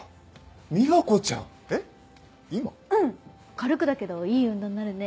軽くだけどいい運動になるね。